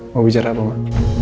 mau bicara apa ma